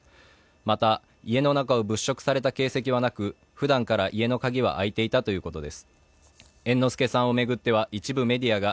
また家の中を物色された形跡はなくふだんから家の鍵は開いていたということで。